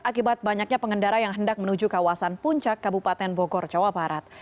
akibat banyaknya pengendara yang hendak menuju kawasan puncak kabupaten bogor jawa barat